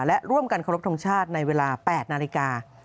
และร่วมกันเคารพทงชาติในเวลา๘นาฬิกา